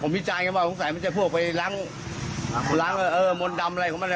ผมวิจัยกันว่าคงแล้วจะพวกไปล้างมนตร์ดำอะไรของมัน